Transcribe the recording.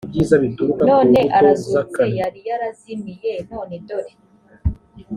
none arazutse yari yarazimiye none dore